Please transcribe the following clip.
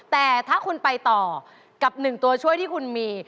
แต่ถ้าคุณไปต่อกับ๑ตัวช่วยที่คุณมี